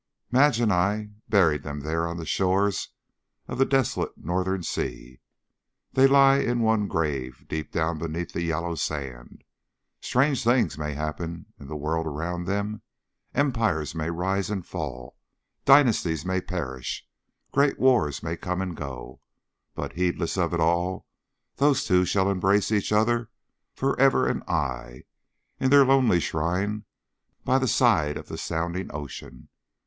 Madge and I buried them there on the shores of the desolate northern sea. They lie in one grave deep down beneath the yellow sand. Strange things may happen in the world around them. Empires may rise and may fall, dynasties may perish, great wars may come and go, but, heedless of it all, those two shall embrace each other for ever and aye, in their lonely shrine by the side of the sounding ocean.